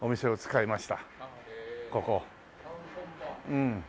うん。